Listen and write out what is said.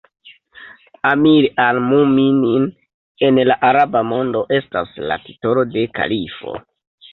Amir al-Mu'minin en la araba mondo estas la titolo de kalifo.